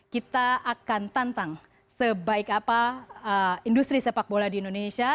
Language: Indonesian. kita akan tantang sebaik apa industri sepak bola di indonesia